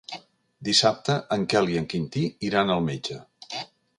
Dissabte en Quel i en Quintí iran al metge.